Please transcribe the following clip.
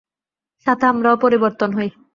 সাথে আমরাও পরিবর্তন হই।